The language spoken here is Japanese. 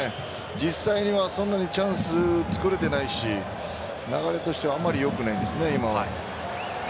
実際には、そんなにチャンスつくれていないし流れとしてはあんまり良くないんですね今は。